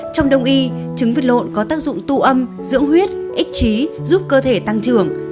trong đồng y trứng vịt lộn có tác dụng tu âm dưỡng huyết ích trí giúp cơ thể tăng trưởng